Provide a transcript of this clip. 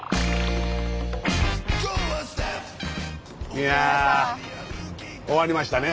いや終わりましたね。